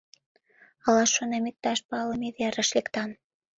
Ала, шонем, иктаж палыме верыш лектам.